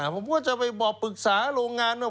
ผมก็จะไปบอกปรึกษาโรงงานว่า